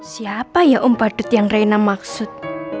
siapa ya om padut yang reina maksud